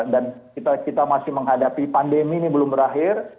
dan kita masih menghadapi pandemi ini belum berakhir